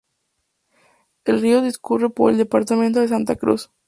El río discurre por el departamento de Santa Cruz.